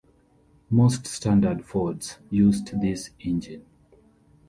Most standard Fords used this engine.